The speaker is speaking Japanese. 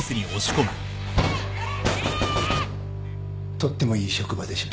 とってもいい職場でしょう？